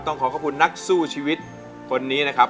ขอขอบคุณนักสู้ชีวิตคนนี้นะครับ